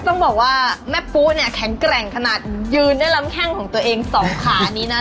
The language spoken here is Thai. ต้องบอกว่าแม่ปุ๊เนี่ยแข็งแกร่งขนาดยืนด้วยลำแข้งของตัวเองสองขานี้นะ